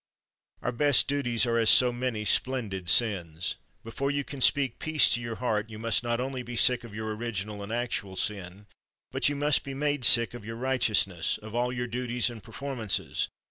Our best duties are as so many splendid sins. Before you can speak peace to your heart you must not only be sick of your original and actual sin, but you must be made sick of your righteous ness, of all your duties and performances.